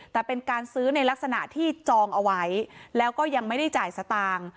แต่เป็นการซื้อในลักษณะที่จองเอาไว้แล้วก็ยังไม่ได้จ่ายสตางค์